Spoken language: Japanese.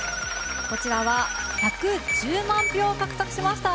こちらは１１０万票を獲得しました。